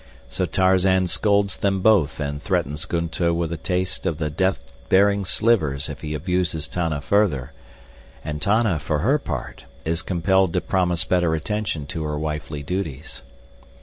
So Tarzan scolds them both and threatens Gunto with a taste of the death bearing slivers if he abuses Tana further, and Tana, for her part, is compelled to promise better attention to her wifely duties.